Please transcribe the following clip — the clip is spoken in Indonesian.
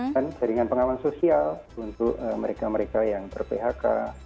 dan jaringan pengawasan sosial untuk mereka mereka yang ber phk